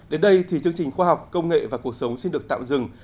đến đây thì chương trình khoa học công nghệ và cuộc sống xin được tạm dừng